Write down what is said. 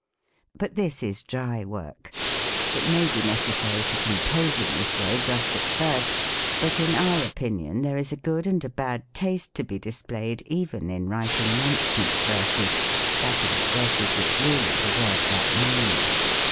But this is dry work. It may be necessary to com pose in this way just at first, but in our opinion, there is a good and a bad taste to be displayed even in writing nonsense verses ; that is, verses which really deserve that name.